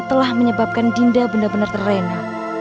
telah menyebabkan dinda benar benar terrena